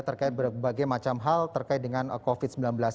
terkait berbagai macam hal terkait dengan covid sembilan belas